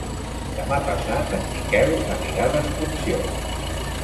Demà passat en Miquel anirà d'excursió.